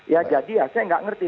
ya jadi ya saya nggak ngerti